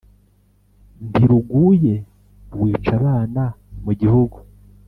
ntiruguye, wica abana mu gihugu